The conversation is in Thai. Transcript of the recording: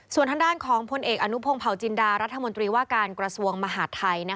ส่วนทางด้านของพลเอกอนุพงศ์เผาจินดารัฐมนตรีว่าการกระทรวงมหาดไทย